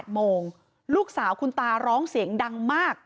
โมงลูกสาวคุณตาร้องเสียงดังมาก